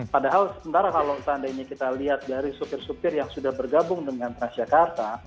padahal sementara kalau seandainya kita lihat dari supir supir yang sudah bergabung dengan transjakarta